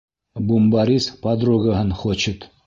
Бумбарис подругаһын хочет...